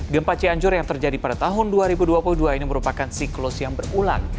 gempa cianjur yang terjadi pada tahun dua ribu dua puluh dua ini merupakan siklus yang berulang